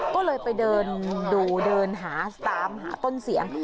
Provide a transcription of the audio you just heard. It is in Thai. ก็เลยไปเดินดูเดินหาตามหาต้นเสียง